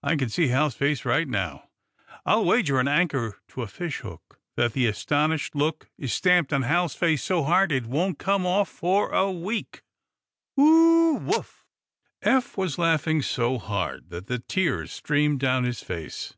I can see Hal's face right now I'll wager an anchor to a fish hook that the astonished look is stamped on Hal's face so hard that it won't come off for a week. Oh woof!" Eph was laughing so hard that the tears streamed down his face.